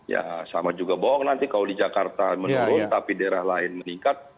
ya sama juga bohong nanti kalau di jakarta menurun tapi daerah lain meningkat